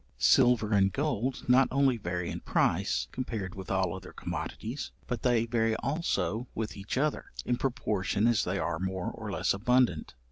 Silver and gold not only vary in price, compared with all other commodities, but they vary also with each other, in proportion as they are more or less abundant.